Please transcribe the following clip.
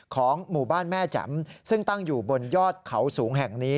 ของหมู่บ้านแม่แจ๋มซึ่งตั้งอยู่บนยอดเขาสูงแห่งนี้